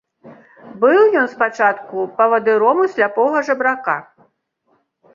Быў ён спачатку павадыром у сляпога жабрака.